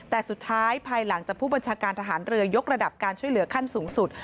แต่สุดท้ายภายหลังจากผู้บัญชาการทหารเรือยกระดับการช่วยเหลือขั้นสูงสุด